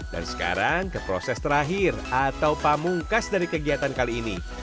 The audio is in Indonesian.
dan sekarang ke proses terakhir atau pamungkas dari kegiatan kali ini